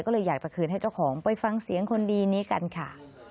ก็เลยอยากจะคืนให้เจ้าของไปฟังเสียงคนดีนี้กันค่ะ